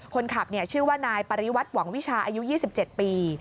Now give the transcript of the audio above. คนขับชื่อว่านายปริวัติหวังวิชาอายุ๒๗ปี